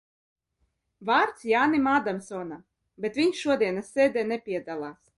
Vārds Jānim Ādamsonam, bet viņš šodienas sēdē nepiedalās.